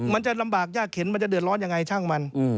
มันจะลำบากยากเข็นมันจะเดือดร้อนยังไงช่างมัน